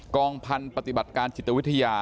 องพันธุ์ปฏิบัติการจิตวิทยา